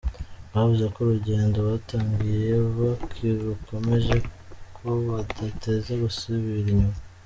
Bavuze ko urugendo batangiye bakirukomeje ko badateze gusubira inyuma.